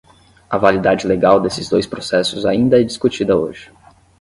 A validade legal desses dois processos ainda é discutida hoje.